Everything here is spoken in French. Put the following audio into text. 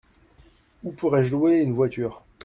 Où pourrais-je louer une voiture ?